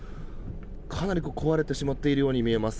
かなり壊れてしまっているように見えます。